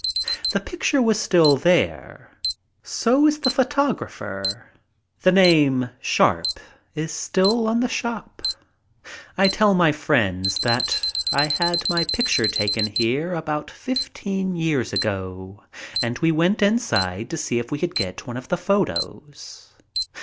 The picture was still there, so is the photographer — the name "Sharp" is still on the shop. I tell my friends that I had my picture taken here about fifteen years ago, and we went inside to see if we could get one of the photos.